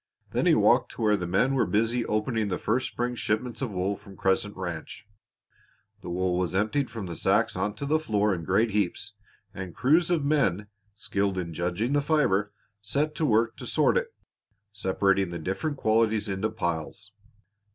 Then he walked to where the men were busy opening the first spring shipments of wool from Crescent Ranch. The wool was emptied from the sacks onto the floor in great heaps, and crews of men skilled in judging the fiber set to work to sort it, separating the different qualities into piles.